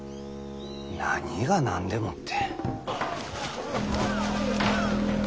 何が何でもって。